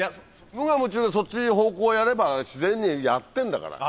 無我夢中でそっち方向やれば自然にやってんだから。